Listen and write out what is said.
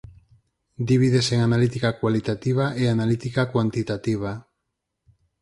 Divídese en analítica cualitativa e analítica cuantitativa.